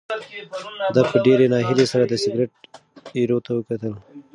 ده په ډېرې ناهیلۍ سره د سګرټ ایرو ته وکتل.